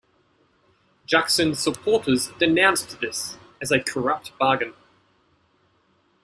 Jackson's supporters denounced this as a corrupt bargain.